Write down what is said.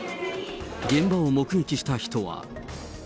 現場を目撃した人は。